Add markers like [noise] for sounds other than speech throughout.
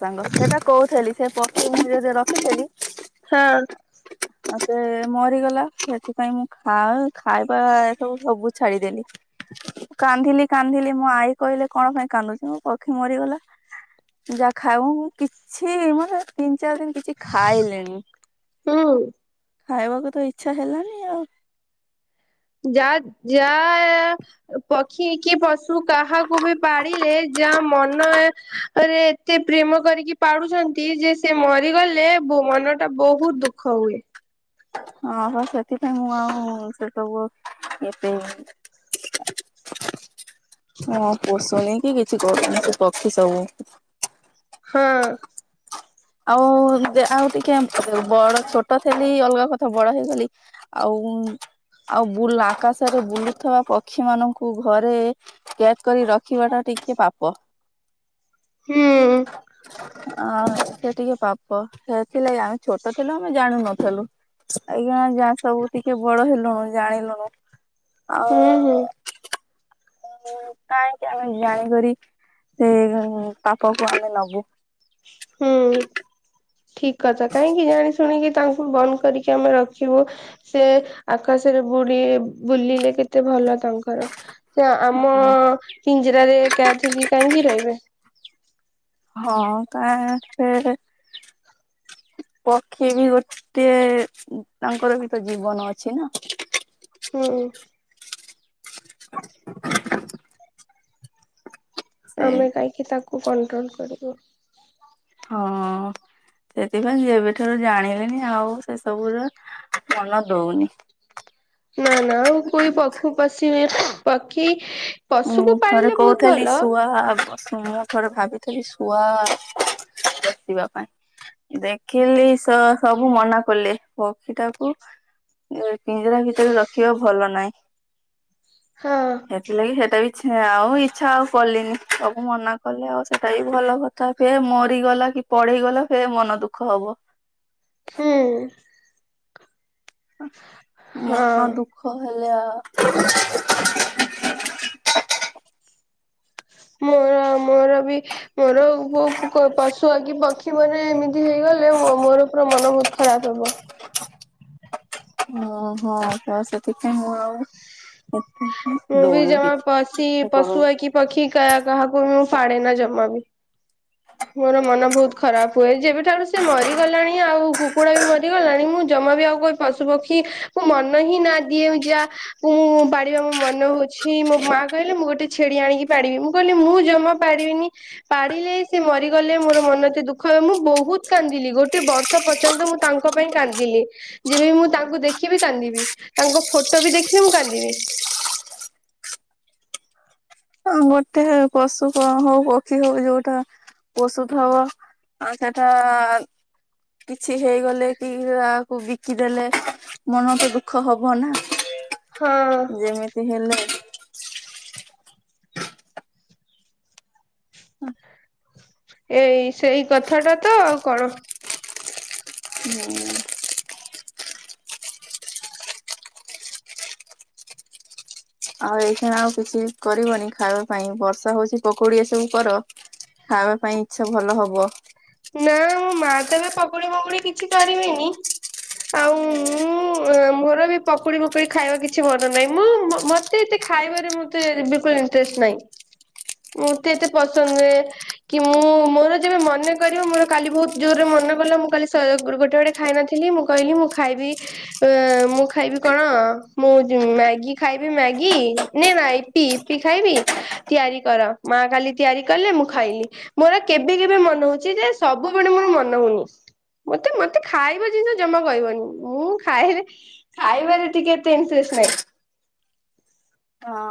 ସାଙ୍ଗ ସେଟା କହୁଥିଲି ସେ [unintelligible] ପକ୍ଷରେ ରଖିଥିଲି [unintelligible] ହ। ଆଉ ସେ ମରିଗଲା ସେଥିପାଇଁ ମୁଁ ଖା ଖାଇବା ଏ ସବୁ ସବୁ ଛାଡିଦେଲି କାନ୍ଦିଲି କାନ୍ଦିଲି ମୋ ଆଈ କହିଲେ କଣ ପାଇଁ କାନ୍ଦୁଚ ମୋ ପକ୍ଷୀ ମରିଗଲା ଯା ଖାଇବ କିଛି ମାନେ ତିନ୍ ଚାରି ଦିନ କିଛି ଖାଇଲିଣିି। ହୁଁ ଖାଇବାକୁ ତ ଇଛା ହେଲାନି ଆଉ ଯା ଯାହା ପକ୍ଷୀ କି ପଶୁ କାହାକୁ ବି ପାଳିଲେ ଯାହା ମନରେ ଏତେ ପ୍ରେମ କରିକି ପାଡୁଛନ୍ତି ଯେ ସେ ମରିଗଲେ ମନ ଟା ବହୁତ ଦୁଃଖ ହୁଏ। ହଁ ହ ସେଥିପାଇଁ ମୁଁ ଆଉ [unintelligible] ସବୁ ଏବେ? ହଁ ପଷୁନି କି କିଛି କରୁନି ସେ ପକ୍ଷୀ ସବୁ ହଁ। ଆଉ ଆଉ ଟିକେ ବଡ ଛୋଟ ଲି ଅଲଗା କଥା ବଡ ହେଇଗଲି ଆଉ ଆଉ ବୁଲା ଆକାଶରେ ବୁଲୁଥିବା ପକ୍ଷୀ ମାନଙ୍କୁ ଘରେ [unintelligible] କରି ରଖିବା ଟା ଟିକେ ପାପ ହୁଁ। ଆଁ ସେ ଟିକେ ପାପ ହେଇଥିଲା ଛୋଟ ଥିଲା ଆମେ ଜାଣୁନୁ ଲୁ ଆଜ୍ଞା ଯା ସବୁ ଟିକେ ବଡ ହେଲୁଣୁ ଜାଣିଲୁଣୁ ହୁଁ ହୁଁ ଆଉ କାହିଁକି ଆମେ ଜାଣିକରି ସେ ପାପକୁ ଆମେ ନବୁ। ହୁଁ ଠିକ କଥା କାହିଁକି ଜାଣି ଶୁଣିକି ତାଙ୍କୁ ବନ୍ଦ କରିକି ଆମେ ରଖିବୁ ସେ ଆକାଶ ରେ ବୁଢି ବୁଲିଲେ କେତେ ଭଲ ତାଙ୍କର ସେ ଆମ ହୁଁ ପି୍ଂଜରାରେ କୈଦ୍ ହେଇକି କାହିଁକି ରହିବେ। ହଁ କାହିଁ ସେ ପକ୍ଷୀ ବି ଗୋଟେ ତାଙ୍କର ବି ତ ଜୀବନ ଅଛି ନା। ହୁଁ। ହ [unintelligible] ଆମେ କାହିଁକି ତାକୁ କଣ୍ଟ୍ରୋଲ୍ କରିବୁ। ହଁ ସେଥିପାଇଁ ଏବେଠାରୁ ଜାଣିଲେନି ଆଉ ସେ ସବୁ ର ନା ନା ଆ କ ପକ୍ଷୁ ପଶୀ ପକ୍ଷୀ ଉଁ ପଶୁକୁ ଥରେ ପାଳିଲେ ବହୁତ କହୁଥିଲି ଭଲ। ଶୁଆ ମୁଁ ଥରେ ଭାବିଥିଲି ଶୁଆ ପୋସିବା ପାଇଁ ଦେଖିଲି ସବୁ ମନା କଲି ପକ୍ଷୀ ଟାକୁ ପି୍ଜରା ଭିତରେ ରଖିବା ଭଲ ନାହିଁ। ହଁ। ସେଥିଲାଗି ସେଟା ଆଉ ଇଚ୍ଛା ଆଉ କଲିନି ସବୁ ମନା କଲେ ଆଉ ସେଟା ବି ଭଲ କଥା ହଏ ମରିଗଲେ କି ପଢେଇ ଗଲା ଫ ମନ ଦୁଃଖ ହବ। ହଁ। ମନ ହଁ ଦୁଃଖ ହେଲେ ଆଉ ମୋର ମୋର ବି ମୋରୋ ପଶୁ ଆ କି ମାନେ ଏମିତି ହେଇଗଲେ ମୋର ପୁର ମନ ବହୁତ ଖରାପ ହବ। ଓ ହୋ ତ ସେଥିପାଇଁ ମୁଁ ଆଉ ମୁଁ ବି ଦଉନି ଜମା କିଛି ପଶି ଇଚ୍ଛା କରୁନି। ପଶୁଆ କି ପକ୍ଷୀ କା କାହାକୁ ବି ମୁଁ ଫାଡେ ନା ଜମା ବି ମୋର ମନ ବହୁତ ଖରାପ ହୁଏ, ଯେବେଠାରୁ ସେ ମରିଗଲାଣି ଆଉ କୁକୁଡା ବି ମରିଗଲାଣି ମୁଁ ଜମା ଆ ବି ଆଉ ପଶୁ ପକ୍ଷୀ ମନ ହିଁ ନା ଦିଏ ଯା ମୁ ପାଳିବା ମୋ ମନ ହଉଛି ମୋ ମା କହିଲେ ମୁଁ ଗୋଟେ ଛେଳି ଆଣିକି ପାରିବି ମୁଁ କହିଲି ମୁଁ ଜମା ପାରିବିନି ପାରିଲେ ସେ ମରିଗଲେ ମୋର ମନ ଏତେ ଦୁଃଖ, ହ ମୁଁ ବହୁତ କାନ୍ଦିଲି ଗୋଟେ ବର୍ଷ ପର୍ଯ୍ୟନ୍ତ ମୁଁ ତାଙ୍କ ପାଇଁ କାନ୍ଦିଲି ଲି ଯେବେ ମୁଁ ତାଙ୍କୁ ଦେଖିବି କାନ୍ଦିବି ତାଙ୍କ ଫଟୋ ବି ଦେଖିବି ମୁଁ କାନ୍ଦିବି [inaudible] ଗୋଟେ ପଶୁ ପ ହଉ ପକ୍ଷୀ ହଉ ଯୋଉଟା ଔଷୁଧ ହବ ଆ ଟାଟା କିଛି ହେଇଗଲେ କି ଆକୁ ବିକିଦେଲେ ମନ ତ ଦୁଃଖ ହବ ନା ହଁ ଯେମିତି ହେଲେ ହୁଁ। ଏଇ ସେଇ କଥାଟା ତ ଆଉ କଣ? ହଁ। ଆଉ ଏଇ ଖାଣା ଆଉ କିଛି କରିବନି ଖାଇବା ପାଇଁ ବର୍ଷା ହଉଛି, ପକୋଡି ଏ ସବୁ କର ଖାଇବା ପାଇଁ ଇଚ୍ଛା ଭଲ ହବ। ନା ମୋ ମା ତ ଏବେ ପକୁଡ଼ି ମକୁଡ଼ି କିଛି କରିବେନି ଆଉ ମୁଁ ମୋର ବି ପକୁଡି ଫକୁଡି ଖାଇବା କିଛି ମନ ନାହିଁ ମୁଁ ମତେ ଏତେ ଖାଇବାରେ ମତେ ବିକୁଲ ଇଣ୍ଟରେଷ୍ଟ ନାହିଁ ମତେ ଏତେ ପସନ୍ଦ ନୁହେ କି ମୁଁ ମୋର ଯେବେ ମନେ କରିବ ମୋର କାଲି ବହୁତ ଜୋରରେ ମନେ କଲା, ମୁଁ କାଲି ସ ଗୋଟେ ଗୋଟେ ଖାଇନଥିଲି ମୁଁ କହିଲି ମୁଁ ଖାଇବି ମୁଁ ଖାଇବି କଣ ମୁଁ ମ୍ୟାଗି ଖାଇବି ମ୍ୟାଗି ନାଇ ୟିପି ୟିପି ଖାଇବି ତିଆରି କର ମା କାଲି ତିଆରି କଲେ, ମୁଁ ଖାଇଲି ମୋର କେବେ କେବେ ମନେ ହଉଛି ଯେ ସବୁବେଳେ ମୋର ମନ ହଉନି। ମତେ ମତେ ଖାଇବା ଜିନିଷ ଜମା କହିବନି, ମୁଁ ଖାଇ ଖାଇବାରେ ଟିକେ ଏତେ ଇଂଟରେଷ୍ଟ ନାହିଁ ହଁ।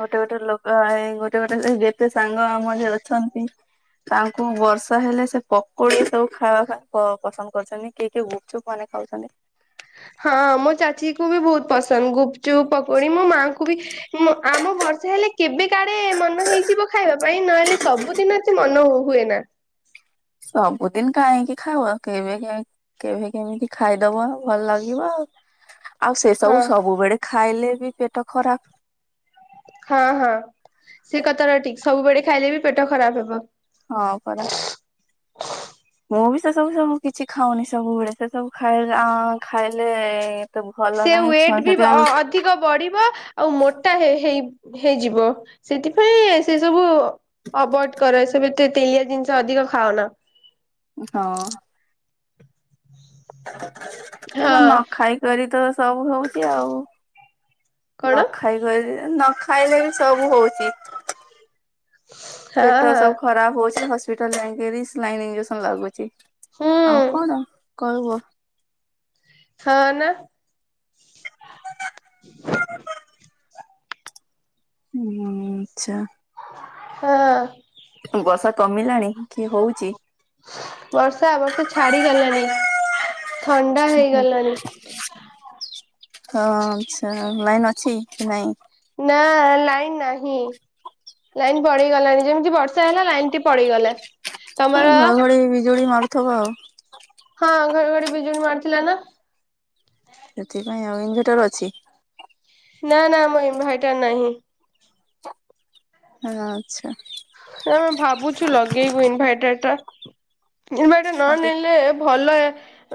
ଗୋଟେ ଗୋଟେ ଲୋକ ଏ ଗୋଟେ ଗୋଟେ ଯେତେ ସାଙ୍ଗ ଆମ ଯ ଅଛନ୍ତି ତାଙ୍କୁ ବର୍ଷା ହେଲେ ସେ ପକୋଡ଼ି ସବୁ ଖାଇବା ପାଇଁ ପ ପସନ୍ଦ କରୁଛନ୍ତି, କିଏ କିଏ ଗୁପଚୁପ ମାନେ ଖାଉଛନ୍ତି। ହଁ ମୋ ଚାଚୀକୁୁ ବି ବହୁତ ପସନ୍ଦ ଗୁପଚୁପ ପକୋଡି ମୋ ମାଙ୍କୁ ବି ଆମ ବର୍ଷା ହେଲେ କେବେ କାଡେ ମନ ହେଇଯିବ, ଖାଇବା ପାଇଁ ନହେଲେ ସବୁଦିନ ଏତେ ମନ ହୁଏ ନା ସବୁଦିନ କାହିଁକି ଖାଇବ କେବେ କେମି କେବେ କେମିତି ଖାଇଦବ ଆଉ ଭଲ ଲାଗିବ ଆଉ। ଆଉ ସେ ହଁ ସବୁ ସବୁବେଳେ ଖାଇଲେ ବି ପେଟ ଖରାପ ହଁ ହଁ ସେ କଥାର ଠିକ, ସବୁବେଳେ ଖାଇଲେ ବି ପେଟ ଖରାପ ହେବ। ହଁ ପରା। [inaudible] ମୁଁ ବି ସେସବୁ ସବୁ କିଛି ଖାଉନି ସବୁବେଳେ ସେ ସବୁ ଖାଇଲେ ଆଁ ଖାଇଲେ ତ ଭଲ ସେ ନାହିଁ ଛୁଆ ୱେଟ ବି ଯଦି ଆଉ ଅ-ଅଧିକ ବଢିବ ଆଉ ମୋଟା ହେଇ ହେଇ ହେଇଯିବ ସେଥିପାଇଁ ସେ ସବୁ ଅଭଏଡ କର ସେ ତେ ତେଲିଆ ଜିନିଷ ଅଧିକ ଖାଅନା। ହଁ। ଏତ ହଁ ନ ଖାଇ କରି ତ ସବୁ ହଉଛି ଆଉ। ନ କଣ? ଖାଇ କରି ନ ଖାଇଲେ ବି ସବୁ ହଉଚି। ହଁ ପେଟ ହଁ ସବୁ ଖରାପ ହଉଛି ହସ୍ପିଟାଲ ଯାଇକରି ସ୍ଲାଇନ ଇଞ୍ଜେକ୍ସନ ଲାଗୁଛି। ହୁଁ ଆଉ କଣ କହିବ? ହଁ ନା। ହୁଁ ଆଚ୍ଛା। ହଁ। ବର୍ଷା କମିଲାଣି କି ହଉଚି? ବର୍ଷା ବର୍ଷା ଛାଡିଗଲାଣି। ଥଣ୍ଡା ହେଇଗଲାଣି। ହଁ ଆଚ୍ଛା ଲାଇନ୍ ଅଛି କି ନାଇଁ? ନନାଁ ଲାଇନ ନାହିଁ। ଲାଇନ ପଡିଗଲାଣି ଯେମିତି ବର୍ଷା ହେଲା ଲାଇନ ଟି ପଳେଇ ଗଲା। ଆଉ ଘର ଘଡି ବିଜୁଳି ମାରୁଥବ ଆଉ। ହଁ ଘଡ଼ଘଡ଼ି ବିଜୁଳି ମାରିଥିଲା ନା। ସେଥିପାଇଁ ଆଉ ଇନଭଟର ଅଛି। ନାଁ ନାଁ ମୋ ଇନଭାଇଟର ନାହିଁ। ହଁ ଆଚ୍ଛା। ଆମେ ଭାବୁଛୁ ଲଗେଇବୁ ଇନଭାଇଟର ଟା। ଇନଭାଇଟ ନ ନେଲେ ଭଲ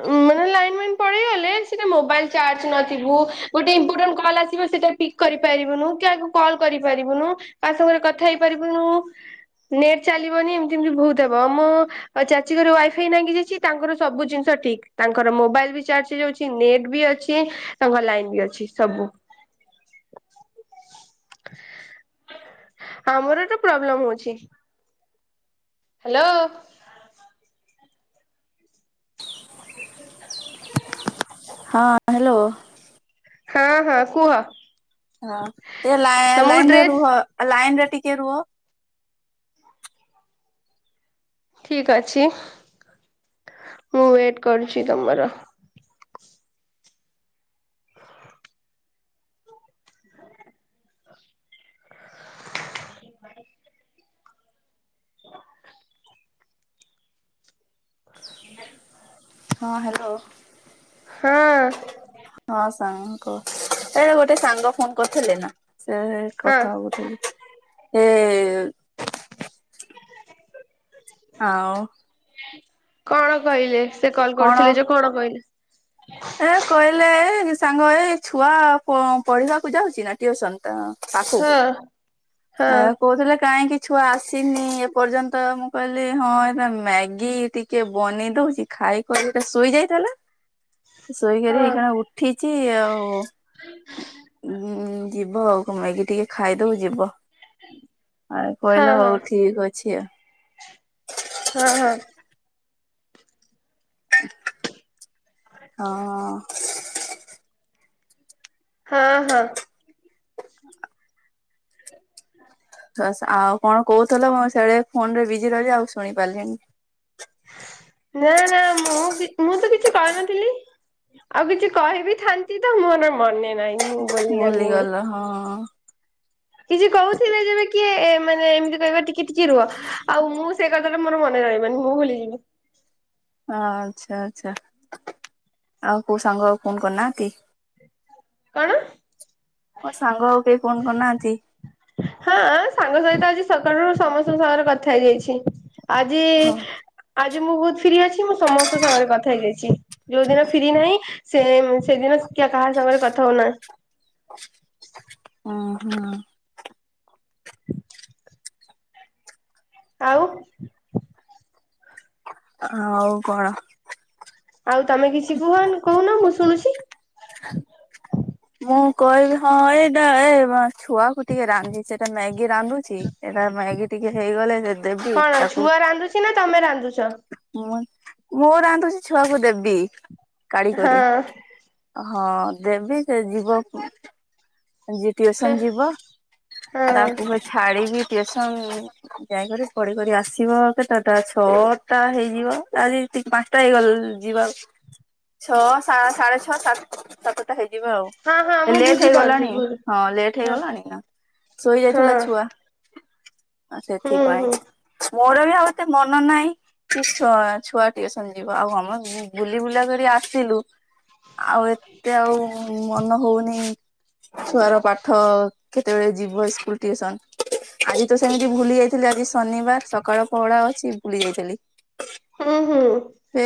ଉଁ। ଲାଇନ୍ ମାଇନ ପଳେଇ ଗଲେ ସେଟା ମୋବାଇଲ୍ ଚାର୍ଜ ନଥିବୁ ଗୋଟେ ଇମ୍ପୋଟାଣ୍ଟ କଲ ଆସିବ ସେଟା ପିକ କରି ପାରିବୁନୁ କି କାହାକୁ କଲ୍ କରିପାରିବୁନୁ କାହା ସାଙ୍ଗରେ କଥା ହେଇପାରିବୁନୁ। ହ ନେଟ୍ ଚାଲିବନି ଏମତି ଏମତି ବହୁତ ହବ ଆମ ଚାଚୀ ଘର ୱାଇଫାଇ ନାଗି ଯାଇଛି ତାଙ୍କର ସବୁ ଜିନିଷ ଠିକ ତାଙ୍କର ମୋବାଇଲ ବି ଚାର୍ଜ ହେଇଯାଉଛି ନେଟ୍ ବି ଅଛି ତାଙ୍କର ଲାଇନ ବି ଅଛି ସବୁ ଆମର ଏତ ପ୍ରୋବ୍ଲେମ ହଉଛି। ହ୍ୟାଲୋ। ହଁ ହ୍ୟାଲୋ। ହଁ ହଁ କୁହ। ହଁ ଟିକେ ତମକୁ ଲା-ଲାଇନ ଡ୍ରେସ ରୁହ ଲାଇନରେ ଟିକେ ରୁହ। ଠିକ ଅଛି ମୁଁ ୱେଟ କରୁଛି ତମର। ହଁ ହ୍ୟାଲୋ ହଁ ହଁ। ସାଙ୍ଗ ଏ ଗୋଟେ ସାଙ୍ଗ ଫୋନ କରିୁଥିଲେ ନା। ସେ ହଁ କଥା ହଉଥିଲି ଏ ଆଉ। କଣ କହିଲେ ସେ କଲ କଣ? କରୁଥିଲେ ଯେ କଣ କହିଲେ? ଏ କହିଲେ ଏ ସାଙ୍ଗ ଏଇ ଛୁଆ ପ- ପଢିବାକୁ ଯାଉଛି ନା ଟିଉସନ। ତା ପାଖକୁ ହଁ ହଁ ଆ କହୁଥିଲେ। କାହିଁକି ଛୁଆ ଆସିନି ଏପର୍ଯ୍ୟନ୍ତ ମୁଁ କହିଲି ହଁ ଏ ମ୍ୟାଗି ଟିକେ ବନେଇ ଖାଇ ଖଆକି ଶୋଇ ଯାଇଥିଲା। ଶୋଇକରି ହଁ ଏଇଖିନା ଉଠିଚି ଏଉ ଉଁ ଯିବ ଆଉ କଣ ମ୍ୟାଗି ଟିକେ ଖାଇଦବ ଯିବ। ଆ ହଁ କହିଲେ ହଁ ହଉ ଠିକ୍ ଅଛି ଆ। ହଁ ହଁ। ହଁ। ହଁ ହଁ। [inaudible] ଆଉ କଣ କହୁଥିଲ ମୁଁ ସେ ଫୋନରେ ବିଜି ରହିଲି ଆଉ ଶୁଣି ପାରିଲିଣି। ନା ନା ମୁଁ ମୁଁ ତ କିଛି କହିନଥିଲି। ଆଉ କିଛି କହିବି ଥାନ୍ତି ତ ମୋର ମନେ ନାହିଁ। ମୁଁ ବୋଲି ଗଲିଣି। ଭୁଲିଗଲ ହଁ। କିଛି କହୁଥିଲେ ଯେବେ କିଏ ଏ ମାନେ ଏମିତି କହିବା ଟିକେ ଟିକେ ରୁହ ଆଉ ମୁଁ ସେଇ କଥାଟା ମୋର ମନେ ରହିବନି ମୁଁ ଭୁଲିଯିବି। ହଁ ଆଚ୍ଛା ଆଚ୍ଛା ଆଉ କୋଉ ସାଙ୍ଗ ଫୋନ କରିନାହାନ୍ତି? କଣ? ତମ ସାଙ୍ଗ ଆଉ କେହି ଫୋନ କରୁନାହାନ୍ତି? ହଁ ସାଙ୍ଗ ସହିତ ଆଜି ସକାଳୁ ସମସ୍ତଙ୍କ ସାଙ୍ଗରେ କଥା ହେଇଯାଇଛି। ଆଜି ଓ ଆଜି ମୁଁ ବହୁତ ଫ୍ରି ଅଛି ମୁଁ ସମସ୍ତଙ୍କ ସାଙ୍ଗରେ କଥା ହେଇଯାଇଛି। ଯୋଉ ଦିନ ଫ୍ରି ନାହିଁ ସେ ସେଦିନ କି କାହା ସାଙ୍ଗରେ କଥା ହଉନାହିଁ। ଓ ହଁ। [inaudible] ଆଉ ଆଉ କଣ? ଆଉ ତମେ କିଛି କୁହନ କହୁନ ମୁଁ ଶୁଣୁଛିି। ମୁଁ କହିବି ହଁ ଏଇଟା ଏ ମ ଛୁଆକୁ ଟିକେ ରାନ୍ଧି ସେଟା ମ୍ୟାଗି ରାନ୍ଧୁଛି। ଏଟା ମ୍ୟାଗି ଟିକେ ହେଇଗଲେ ସେ ଦେବି କଣ ତାକୁ ଛୁଆ ରାନ୍ଧୁଛି ନା ତମେ ରାନ୍ଧୁଛ? ମୁଁ। ମୁଁ ରାନ୍ଧୁଛି ଛୁଆକୁ ଦେବି। କାଢି କରି ହଁ। ହଁ ଦେବି ସେ ଯିବ। ଯିଏ ହଁ। ଟିଉସନ ଯିବ ଆଉ ତାଙ୍କୁ ଫେରେ ଛାଡିକି ଟିଉସନ୍ ଯାଇକରି ପଢ଼ିକ ଆସିବ କେତେଟା ଛଅଟା ହେଇଯିବ ଆଜି ତି ପାଞ୍ଚଟା ହେଇଗଲେ ଯିବା ଆଉ ଛଅ ସାଢେ ଛଅ ସାତ ସାତଟା ହେଇ ଯିବ ଆଉ ହଁ ହଁ ମୁଁ ଲେଟ୍ ବୁଝି ପାରୁଛି ହେଇଗଲାଣି। ବୁଝ ହଁ ଲେଟ୍ ହଁ ହେଇଗଲାଣି ନା ହଁ ଶୋଇଯାଇଥିଲା ଛୁଆ। ହୁଁ ସେଥିପାଇଁ ହୁଁ। ମୋର ବି ଆଉଏତେ ମନ ନାହିଁ କି ଛୁ-ଛୁଆ ଟିକେ ସରିଜିବ ଆଉ ଆମେ ବୁଲି ବୁଲା କରି ଆସିଲୁ। ଆଉ ଏତେ ଆଉ ମନ ହଉନି। ଛୁଆର ପାଠ କେତେବେଳେ ଯିବ ସ୍କୁଲ ଟିଉସନ୍? ଆଜି ତ ସେମିତି ଭୁଲି ଯାଇଥିଲି ଆଜି ଶନିବାର ସକାଳ କୋହଢା ଅଛି ଭୁଲି ଯାଇଥିଲି। ହୁଁ ହୁଁ। ଏ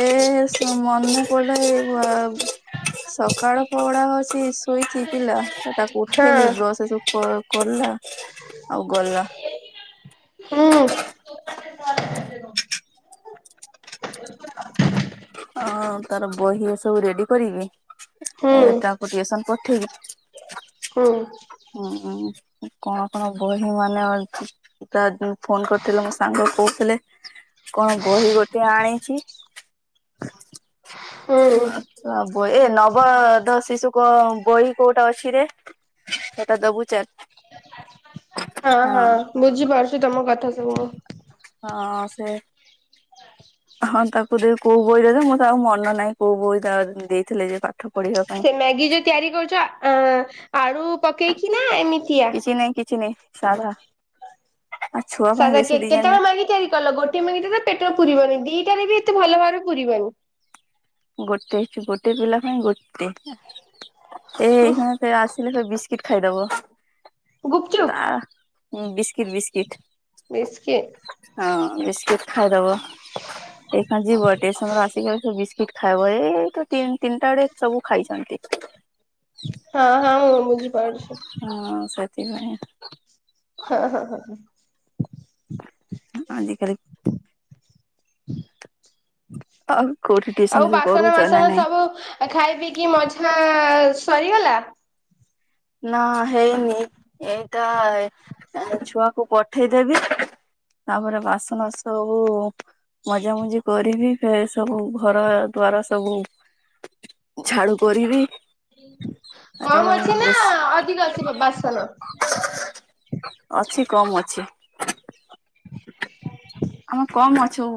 ସେ ମନେ ପଡିଲା ସକାଳ ପହଡା ହଉଛି ଶୋଇଛି ପିଲା। ତାକୁ ହଁ ଉଠେଇଲିି ବ୍ରସ ସୁ କଲା ଆଉ ଗଲା। ହୁଁ [inaudible] [inaudible] ହଁ ତାର ବହି ସବୁ ରେଡି କରିକି ହୁଁ ଏଟାକୁ ଟିଉସନ୍ ପଟେଇବି ହୁଁ ହୁଁଁ। କଣ କଣ ବହି ମାନେ ଫୋନ କରିଥିଲେ ମୋ ସାଙ୍ଗ କହୁଥିଲେ? କଣ ବହି ଗୋଟେ ଆଣିଛି? ହୁଁ। ଏ ନବଧ ଶିଶୁ କ ବହି କୋଉଟା ଅଛି ରେ? ସେଟା ଦବୁ ଚାଲ ହଁ, ହଁ ବୁଝିପାରୁଛି, ତମ କଥା ସ ତମ ହଁ ସେ ହଁ, ତାକୁ ଦେ କୋଉ ବହି ଦେଲେ, ମୋର ଆଉ ମନ ନାହିଁ। କୋଉ ବହି ତା ଦେଇଥିଲେ, ଯେ ପା ସେ ମ୍ୟାଗି ଯୋଉ ତିଆରି କରୁଛ। ଆଁ -ଆଳୁ ପକେଇକି ନା ଏମିତିଆ କିଛିନାହିଁ। ସା ପରା। ସାଧା କେକ୍, କେତେବେଳେ ମ୍ୟାଗି ତିଆରି କଲ? ଗୋଟେ ମ୍ୟାଗି ରେ ପେଟ ପୁରରିବନି। ଦିଟାରେ ବି ତେ ଭଲ ଭାବରେ ପୁରିବନି। ଗୋଟେ ଗୋଟେ ପିଲା ପାଇଁ ଗୋଟେ। ଏ ହଁ ସେ ଆସିଲେ ସେବିସ୍ କିଟ୍ ଖାଇଦବ। ଗୁପ୍ ଚୁପ୍। ହୁଁ ବିସ୍କିଟ୍ ବିସ୍କିଟ୍। ବିସ୍କି ହଁ ବିସ୍କିଟ୍ ଖାଇଦବ। ଏଇଖିଣା ଯିବ ଟେସନରୁ ଆସିକି ବିସ୍କିଟ୍ ଖାଇବ-ଏ ତ ତି-ତିନିଟା ଡେ ସବୁ ଖାଇଛନ୍ତି। ହଁ ହଁ, ମୁଁ ବୁଝି ପାଡୁଛି। ତି ପାଇଁ। ହଁ ହଁ ହଁ ହଁ। ଆଜିକାଲି। ଆଉ କୋଉଠି ଟିଉସନ ଆଉ ସବୁ ବାସନ କରୁଛ ନା ମାସନ ନାଇଁ ସବୁ ଖାଇ ପିଇକି ମଝା-ଆ ଆ ସରିଗଲା? ନା ହେଇନି, ଏଇଟା-ଆ ଛୁଆକୁ ପଠେଇଦେବି। ତାପରେ ବାସନ ସବୁ-ଉ ମଜା ମଜି କରିବି। ଫେର ସବୁ ଘର ଦୁଆର ସବୁ ଝାଡୁ କରିବି। କମ ଅଛି ନା ବେଶୀ ଅଧିକ ଅଛି ବାସନ? ଅଛି କମ୍ ଅଛି। ଆମେ କମ୍ ଅଛୁ।